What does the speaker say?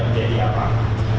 saat adanya arab